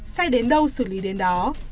sai đến đâu xử lý đến đó